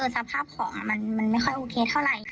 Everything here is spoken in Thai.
สภาพของมันไม่ค่อยโอเคเท่าไหร่